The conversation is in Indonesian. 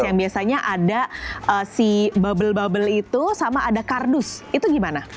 yang biasanya ada si bubble bubble itu sama ada kardus itu gimana